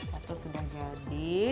satu sudah jadi